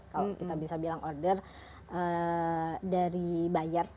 kalau kita bisa bilang order dari buyer